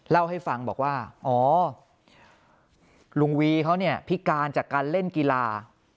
เล่าให้ฟังบอกว่าอ๋อลุงวีเขาเนี่ยพิการจากการเล่นกีฬา